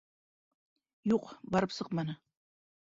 — Юҡ, барып сыҡманы.